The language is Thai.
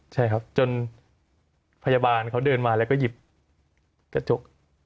ใช่ครับจนพยาบาลเขาเดินมาแล้วก็หยิบกระจก